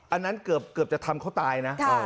อันนั้นเกือบจะทำเขาตายนะ